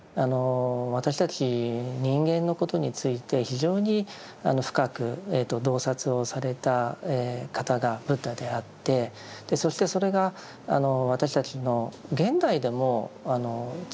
私たち人間のことについて非常に深く洞察をされた方がブッダであってそしてそれが私たちの現代でも通用する悩み